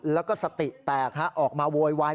แล้วก็สติแตกออกมาโวยวาย